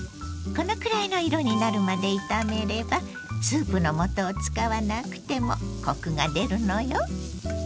このくらいの色になるまで炒めればスープのもとを使わなくてもコクが出るのよ。